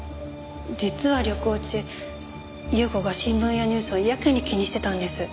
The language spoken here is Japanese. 実は旅行中優子が新聞やニュースをやけに気にしてたんです。